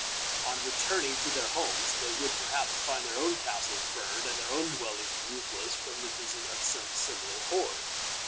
On returning to their homes, they would perhaps find their own castles burned and their own dwellings roofless, from the visit of some similar horde.